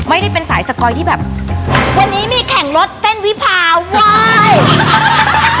ไม่ได้เป็นสายสกอยที่แบบวันนี้มีแข่งรถเต้นวิภาว้าย